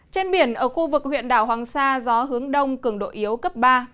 trên biển ở khu vực huyện đảo hoàng sa gió hướng đông cường độ yếu cấp ba